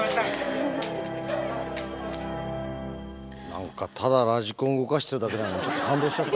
何かただラジコン動かしてるだけなのにちょっと感動しちゃった。